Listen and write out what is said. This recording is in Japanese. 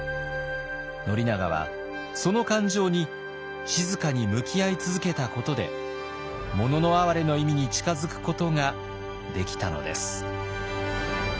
宣長はその感情に静かに向き合い続けたことで「もののあはれ」の意味に近づくことができたのです。